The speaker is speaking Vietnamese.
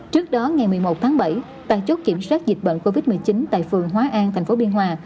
trước đó ngày một mươi một tháng bảy tài chốt kiểm soát dịch bệnh covid một mươi chín tại phường hóa an tp biên hòa